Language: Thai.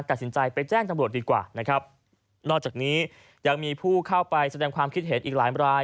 ตัดสินใจไปแจ้งตำรวจดีกว่านะครับนอกจากนี้ยังมีผู้เข้าไปแสดงความคิดเห็นอีกหลายราย